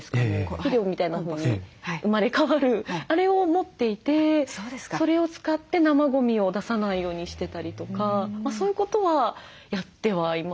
肥料みたいなのに生まれ変わるあれを持っていてそれを使って生ゴミを出さないようにしてたりとかそういうことはやってはいますね。